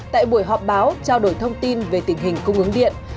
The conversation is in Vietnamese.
tại buổi họp báo trao đổi thông tin về tình hình cung ứng điện